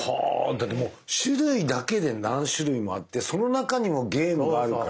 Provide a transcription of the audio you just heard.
だってもう種類だけで何種類もあってその中にもゲームがあるから。